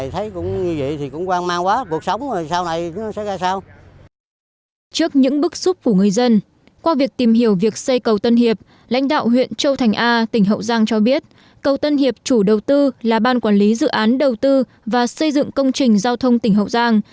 trước những bức xúc của người dân qua việc tìm hiểu việc xây cầu tân hiệp lãnh đạo huyện châu thành a tỉnh hậu giang cho biết cầu tân hiệp chủ đầu tư là ban quản lý dự án đầu tư và xây dựng công trình giao thông tỉnh hậu giang